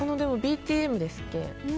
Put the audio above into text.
ＤＴＭですっけ